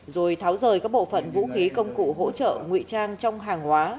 rồi tháo rời các bộ phận vũ khí công cụ hỗ trợ nguy trang trong hàng hóa